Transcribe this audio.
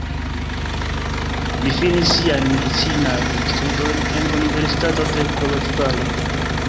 Li finis siajn medicinajn studojn en Universitato de Koloĵvaro.